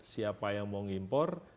siapa yang mau impor